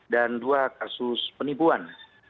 dan dua kasus penipuan